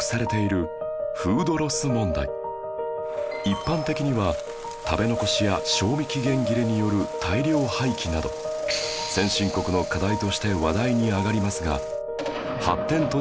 一般的には食べ残しや賞味期限切れによる大量廃棄など先進国の課題として話題に上がりますが